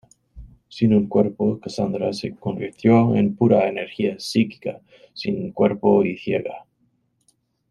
Sin un cuerpo, Cassandra se convirtió en pura energía psíquica, sin cuerpo y ciega.